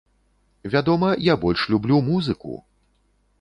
Вядома, я больш люблю музыку!